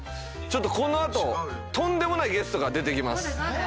この後とんでもないゲストが出てきます。